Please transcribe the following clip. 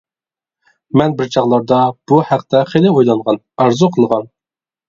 مەن بىر چاغلاردا بۇ ھەقتە خېلى ئويلانغان، ئارزۇ قىلغان.